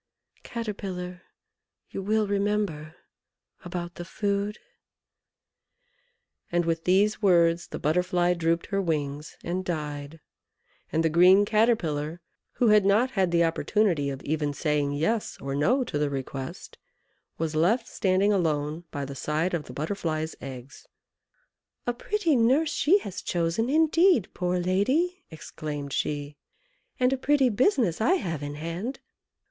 Caterpillar! you will remember about the food " And with these words the Butterfly drooped her wings and died; and the green Caterpillar, who had not had the opportunity of even saying Yes or No to the request, was left standing alone by the side of the Butterfly's eggs. "A pretty nurse she has chosen, indeed, poor lady!" exclaimed she, "and a pretty business I have in hand!